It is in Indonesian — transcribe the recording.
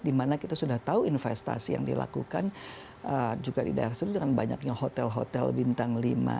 dimana kita sudah tahu investasi yang dilakukan juga di daerah seluruh dengan banyaknya hotel hotel bintang lima